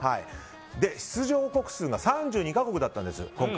出場国数が３２か国だったんです、今回。